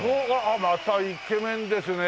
またイケメンですね。